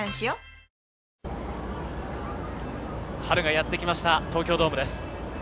春がやってきました東京ドームです。